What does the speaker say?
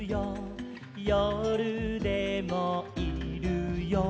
「よるでもいるよ」